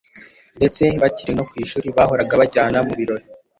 ndetse bakiri no ku ishuri bahoraga bajyana mu birori.